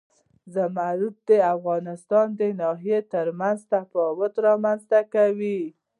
زمرد د افغانستان د ناحیو ترمنځ تفاوتونه رامنځ ته کوي.